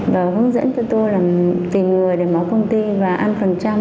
và hướng dẫn cho tôi là tìm người để máu công ty và ăn phần trăm